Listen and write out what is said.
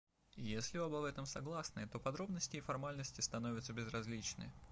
И если оба в этом согласны, то подробности и формальности становятся безразличны.